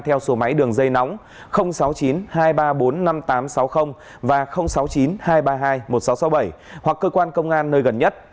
theo số máy đường dây nóng sáu mươi chín hai trăm ba mươi bốn năm nghìn tám trăm sáu mươi và sáu mươi chín hai trăm ba mươi hai một nghìn sáu trăm sáu mươi bảy hoặc cơ quan công an nơi gần nhất